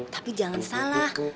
tapi jangan salah